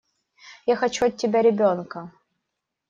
Я хочу от тебя ребёнка!